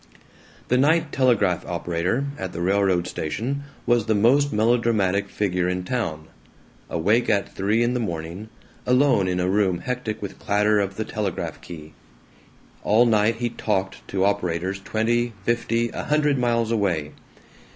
The night telegraph operator at the railroad station was the most melodramatic figure in town: awake at three in the morning, alone in a room hectic with clatter of the telegraph key. All night he "talked" to operators twenty, fifty, a hundred miles away.